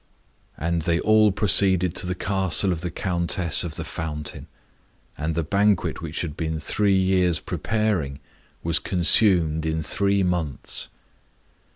And they all proceeded to the castle of the Countess of the Fountain, and the banquet which had been three years preparing was consumed in three months.